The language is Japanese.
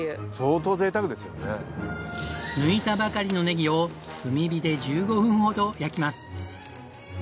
抜いたばかりのねぎを炭火で１５分ほど焼きます。